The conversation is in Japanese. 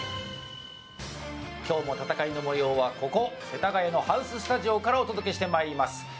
今日の戦いのもようはここ世田谷のハウススタジオからお届けしてまいります。